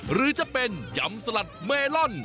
หรือจะเป็นยำสลัดเมลอน